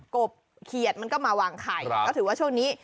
บเขียดมันก็มาวางไข่ก็ถือว่าช่วงนี้